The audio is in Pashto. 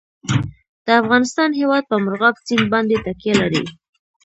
د افغانستان هیواد په مورغاب سیند باندې تکیه لري.